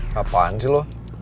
kapan sih lo